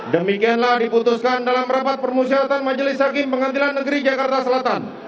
demikianlah diputuskan dalam rapat permusyaratan majelis hakim pengadilan negeri jakarta selatan